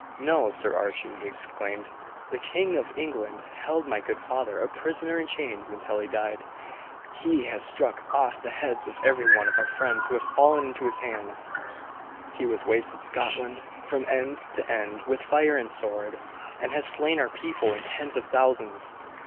"No, Sir Archie," he exclaimed; "the King of England held my good father a prisoner in chains until he died; he has struck off the heads of every one of our friends who have fallen into his hands; he has wasted Scotland from end to end with fire and sword, and has slain our people in tens of thousands.